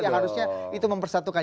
harusnya itu mempersatukan